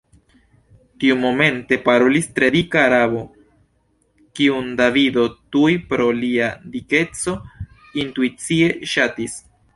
Tiumomente parolis tre dika Arabo – kiun Davido tuj pro lia dikeco intuicie ŝatis.